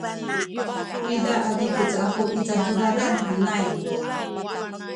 uyza a zikuc aku i cacudadan henay.